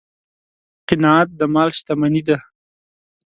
قناعت د مال شتمني ده.